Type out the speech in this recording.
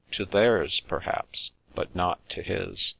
To theirs, perhaps, but not to his.